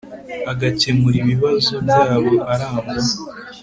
agakemura ibibazo byabo arangwa